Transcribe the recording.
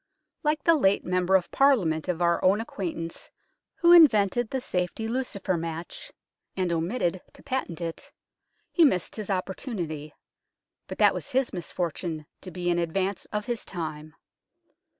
Like the late Member of Parliament of our own acquaintance who invented the safety lucifer match, and omitted to patent it, he missed his opportunity, but that was his misfortune, to be in advance of his time.